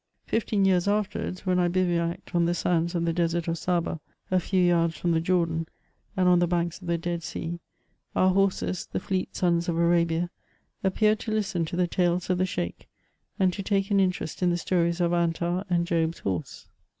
Fifteen years afterwards, when I bivouacked on the sands of the desert of Sabba, a few yards from the Jordan, and on the banks of the Dead Sea, our horses, the fleet sons of Arabia, ap peared to listen to the tales of the scheik, and to take an interest in the stories of Antar and Job*s horse.